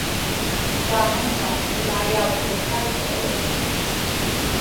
taamaŋŋa imaiyautiksraisuġiñ